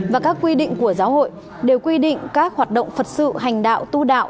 và các quy định của giáo hội đều quy định các hoạt động phật sự hành đạo tu đạo